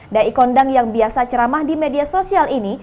daikondang yang biasa ceramah di media sosial ini